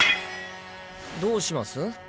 どうします？